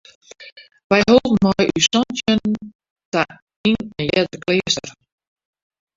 Wy holden mei ús santjinnen ta yn in earder kleaster.